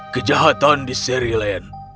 kejahatan di sherryland